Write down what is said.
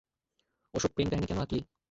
ওসব প্রেমকাহিনী কেন আঁকলি?